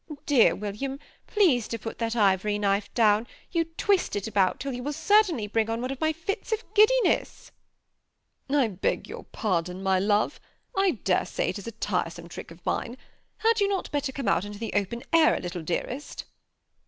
Dear William, please to put that ivory knife down ; you twist it about till you will certainly bring on one of my fits of giddi ness." "I beg your pardon, my love; I dare say it is a tiresome trick of mine. Had you not better come out into the open air a little, dearest